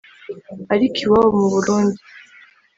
ariko iwabo mu Burundi